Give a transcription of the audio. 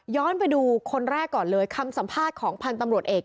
ไปดูคนแรกก่อนเลยคำสัมภาษณ์ของพันธ์ตำรวจเอก